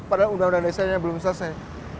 padahal undang undang desanya belum selesai